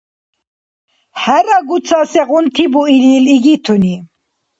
ХӀерагу ца, сегъунти буилил «игитуни»!